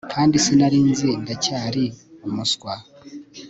Kandi sinari nzi ndacyari umuswa